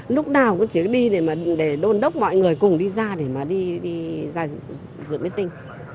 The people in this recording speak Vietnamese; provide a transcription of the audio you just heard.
lúc nào cũng chỉ đi để đôn đốc mọi người cùng đi ra để mà đi ra dự bếp tin